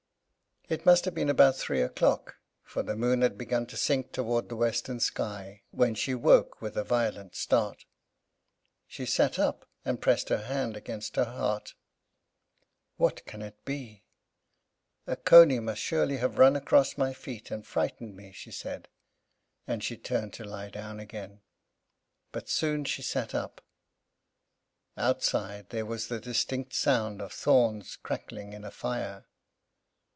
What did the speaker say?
It must have been about three o'clock, for the moon had begun to sink towards the western sky, when she woke, with a violent start. She sat up, and pressed her hand against her heart. "What can it be? A cony must surely have run across my feet and frightened me!" she said, and she turned to lie down again; but soon she sat up. Outside, there was the distinct sound of thorns crackling in a fire.